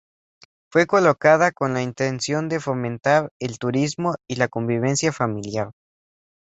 Fue colocada con la intención de fomentar el turismo y la convivencia familiar.